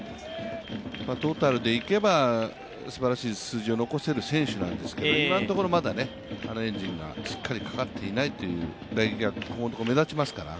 トータルでいけばすばらしい数字を残せる選手なんですが今のところ、まだエンジンがしっかりかかっていない打撃がここのところ目立ちますから。